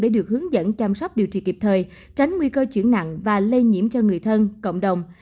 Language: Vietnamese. để được hướng dẫn chăm sóc điều trị kịp thời tránh nguy cơ chuyển nặng và lây nhiễm cho người thân cộng đồng